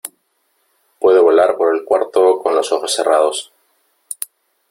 Puedo volar por el cuarto con los ojos cerrados .